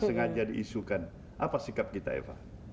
sengaja diisukan apa sikap kita eva